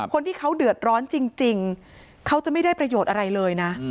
คนที่เขาเดือดร้อนจริงเขาจะไม่ได้ประโยชน์อะไรเลยนะ